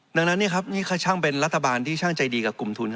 ดังนั้นนี่ช่างเป็นรัฐบาลที่ช่างใจดีกับกลุ่มทุน